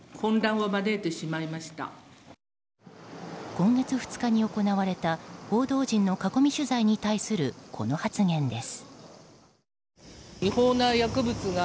今月２日に行われた報道陣の囲み取材に対するこの発言です。